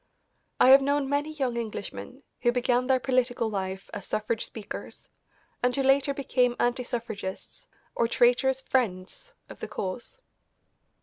I have known many young Englishmen who began their political life as suffrage speakers and who later became anti suffragists or traitorous "friends" of the cause.